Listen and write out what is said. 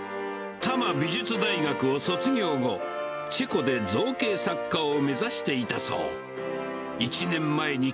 多摩美術大学を卒業後、チェコで造形作家を目指していたそう。